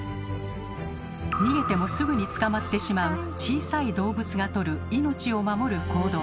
逃げてもすぐに捕まってしまう小さい動物がとる命を守る行動。